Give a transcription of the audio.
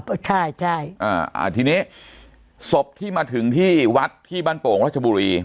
ใช่ใช่ใช่อ่าอ่าทีนี้ศพที่มาถึงที่วัดที่บ้านโป่งรัชบุรี